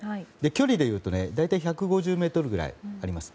距離でいうと大体１５０ｍくらいあります。